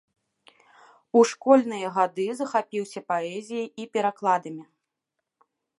У школьныя гады захапіўся паэзіяй і перакладамі.